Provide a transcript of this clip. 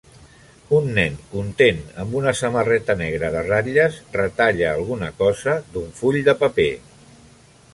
Un nen content amb una samarreta negra de ratlles retalla alguna cosa d'un full de paper.